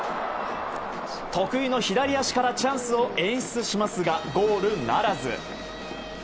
得意の左足からチャンスを演出しますがゴールならず。